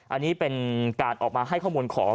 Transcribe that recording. อันนี้เป็นการออกมาให้ข้อมูลของ